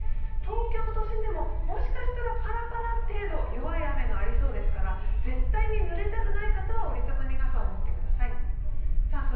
東京都心でももしかしたらパラパラ程度、弱い雨がありそうですから絶対にぬれたくない方は折りたたみ傘を持ってください。